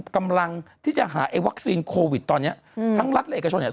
กำลังที่จะหาไอ้วัคซีนโควิดตอนเนี้ยอืมทั้งรัฐและเอกชนเนี่ย